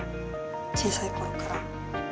小さい頃から。